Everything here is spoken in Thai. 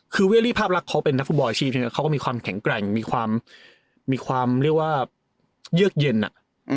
คือเวรี่ภาพลักษณ์เขาเป็นนักฟุตบอลอาชีพหนึ่งเขาก็มีความแข็งแกร่งมีความมีความเรียกว่าเยือกเย็นอ่ะ